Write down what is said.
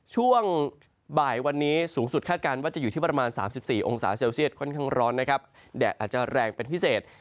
ช่วงบ่ายวันนี้สูงสุดคาดการณ์ว่าจะอยู่ที่ประมาณ๓๔องศาเซลเซียตค่อนข้างร้อนนะครับแดดอาจจะแรงเป็นพิเศษ